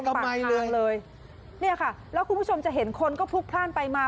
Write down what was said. ทำไมเรืองเลยเนี่ยค่ะแล้วคุณผู้ชมจะเห็นคนก็พลุกพลาดไปมา